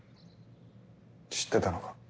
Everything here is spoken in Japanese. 知ってたのか。